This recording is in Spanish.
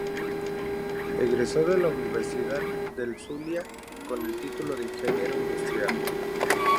Egresó de la Universidad del Zulia con el título de ingeniero industrial.